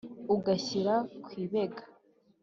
ugashyira ku ibega.